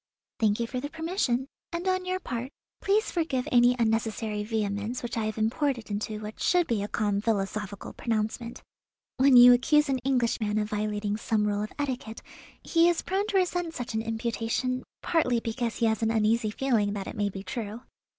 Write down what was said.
"Thank you for the permission, and on your part please forgive any unnecessary vehemence which I have imported into what should be a calm philosophical pronouncement. When you accuse an Englishman of violating some rule of etiquette, he is prone to resent such an imputation, partly because he has an uneasy feeling that it may be true.